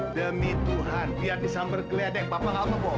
demi tuhan biar disamber keledek papa gak untung bohong